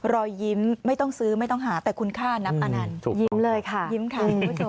รอยยิ้มไม่ต้องซื้อไม่ต้องหาแต่คุณค่านัพต์อนายิ้มเลยค่ะยิ้มค่ะ